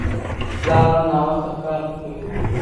پلار نن ناوخته کار نه کوي.